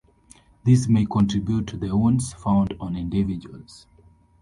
This may contribute to the wounds found on individuals.